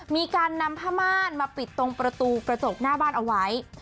มีการนำผ้าม่านมาปิดตรงประตูกระจกหน้าบ้านเอาไว้